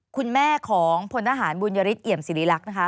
คุณแม่ของพลทหารบุญยฤทธเอี่ยมสิริรักษ์นะคะ